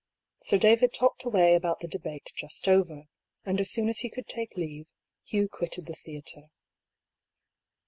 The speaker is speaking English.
Sir David talked away about the debate just over ; and as soon as he could take leave, Hugh quitted the theatre.